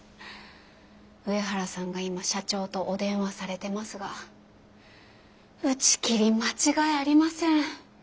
上原さんが今社長とお電話されてますが打ち切り間違いありません。